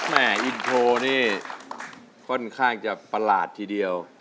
อินโทรนี่ค่อนข้างจะประหลาดทีเดียว